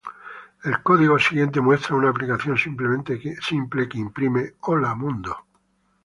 El código siguiente muestra una aplicación simple que imprime "¡Hola Mundo!